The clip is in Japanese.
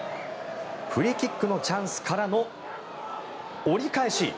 フリーキックのチャンスからの折り返し。